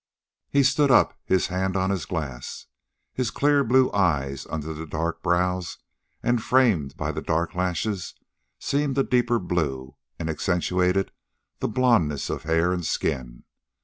He stood up, his hand on his glass. His clear blue eyes under the dark brows and framed by the dark lashes, seemed a deeper blue, and accentuated the blondness of hair and skin.